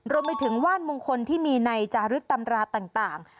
รวมไปถึงว่านมงคลที่มีในจารึกตำราต่าง